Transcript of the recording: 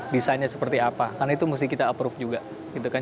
desainnya seperti apa karena itu mesti kita approve juga gitu kan